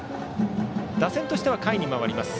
打線としては下位に回ります。